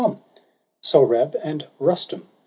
I. SOHRAB AND RUSTUM.